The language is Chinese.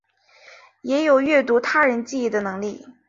也有阅读他人记忆的能力。